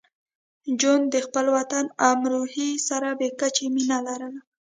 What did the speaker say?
جون د خپل وطن امروهې سره بې کچه مینه لرله